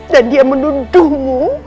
dan dia menunduhmu